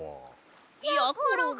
やころが。